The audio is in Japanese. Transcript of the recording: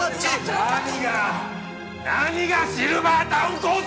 何が何がシルバータウン構想だ！